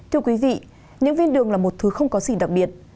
thưa quý vị những viên đường là một thứ không có gì đặc biệt